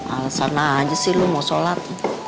alasana aja sih lu mau sholat